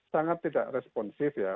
sangat tidak responsif ya